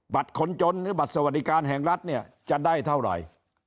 คนจนหรือบัตรสวัสดิการแห่งรัฐเนี่ยจะได้เท่าไหร่